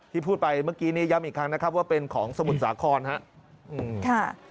พูดไปเมื่อกี้นี้ย้ำอีกครั้งนะครับว่าเป็นของสมุทรสาครครับ